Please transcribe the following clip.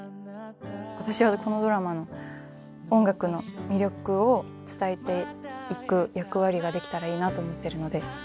私はこのドラマの音楽の魅力を伝えていく役割ができたらいいなと思ってるので。